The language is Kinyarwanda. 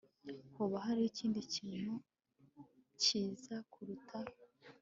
hoba hariho ikindi kintu ciza kuruta